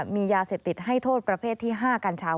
มียาเสพติดให้โทษประเภทที่๕กัญชา